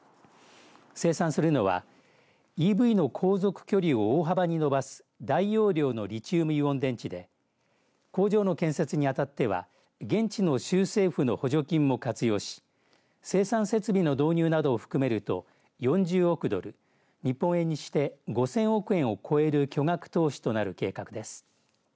生産するのはＥＶの航続距離を大幅に伸ばす大容量のリチウムイオン電池で工場の建設にあたっては現地の州政府の補助金も活用し生産設備の導入などを含めると４０億ドル、日本円にして５０００億円を超える巨額投資となる計画です。